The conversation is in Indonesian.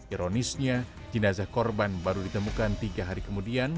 ironisnya jenazah korban baru ditemukan tiga hari kemudian